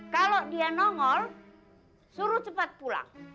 kalau dia nongol suruh cepat pulang